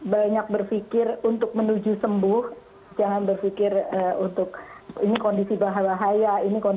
banyak berpikir untuk menuju sembuh jangan berpikir untuk ini kondisi bahaya ini kondisi